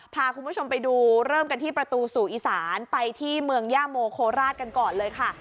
พาคุณผู้ชมไปดูเริ่มกันที่ประตูสู่อีสานไปที่เมืองย่าโมโคราชกันก่อนเลยค่ะ